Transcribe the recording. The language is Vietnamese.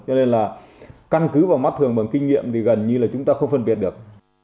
cho nên là căn cứ vào mắt thường bằng kinh nghiệm thì gần như là chúng ta không phân biệt được